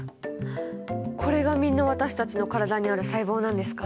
これがみんな私たちの体にある細胞なんですか？